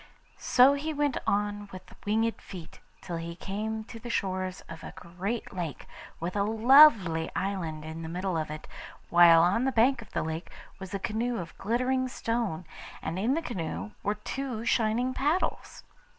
So he went on with winged feet till he came to the shores of a great lake, with a lovely island in the middle of it; while on the bank of the lake was a canoe of glittering stone, and in the canoe were two shining paddles.